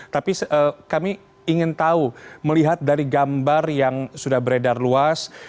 tapi kami ingin tahu melihat dari gambar yang sudah beredar luas